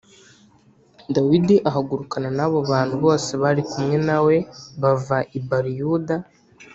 Dawidi ahagurukana n’abo bantu bose bari kumwe na we, bava i Bāliyuda